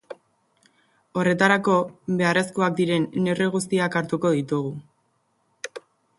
Horretarako beharrezkoak diren neurri guztiak hartuko ditugu.